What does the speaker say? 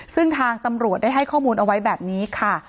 ซึ่งทางตำรวจได้ให้ข้อมูลเอาไว้แบบนี้ค่ะ